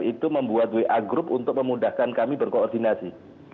itu membuat wa group untuk memudahkan kami berkoordinasi